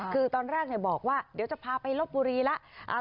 คือตอนแรกบอกว่าเดี๋ยวจะพาไปลบบุรีแล้ว